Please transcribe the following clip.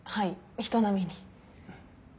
人並みに。